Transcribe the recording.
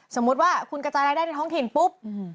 สมมุติว่าคุณกระจายรายได้ในท้องถิ่นปุ๊บ